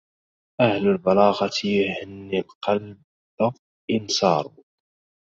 أهل البلاغة يهني القلب إن صاروا